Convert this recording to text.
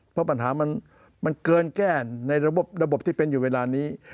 เพราะปัญหามันเกินแก้ในระบบที่เป็นอยู่เวลานี้